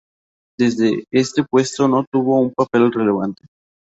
Desde este puesto no tuvo un papel relevante.